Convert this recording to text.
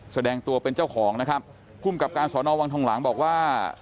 แสดงตัวเป็นเจ้าของนะครับภูมิกับการสอนอวังทองหลังบอกว่า